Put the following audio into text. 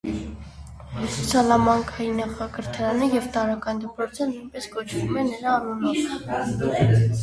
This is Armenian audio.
Սալամանկայի նախակրթարանը և տարրական դպրոցը նույնպես կոչվում են նրա անունով։